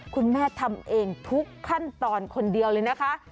คุณแม่ทำเองทุกขั้นตอนคนเดียวเลยนะคะ